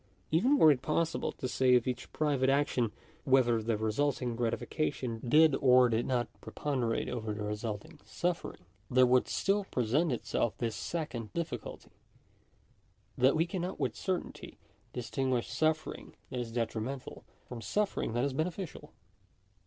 Even were it possible to say of each private action whether the resulting gratification did or did not preponderate over the resulting suffering, there would still present itself this second difficulty, that we cannot with certainty distinguish suffering that is detrimental, from suffering that is beneficial.